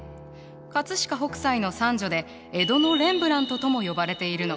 飾北斎の三女で江戸のレンブラントとも呼ばれているの。